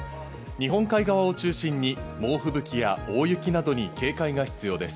日本海側を中心に猛吹雪や大雪などに警戒が必要です。